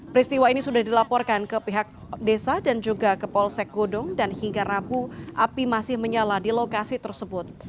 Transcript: peristiwa ini sudah dilaporkan ke pihak desa dan juga ke polsek godung dan hingga rabu api masih menyala di lokasi tersebut